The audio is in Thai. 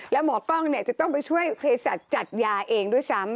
แล้วหมอกล้องจะต้องไปช่วยเพศสัตว์จัดยาเองด้วยซ้ำ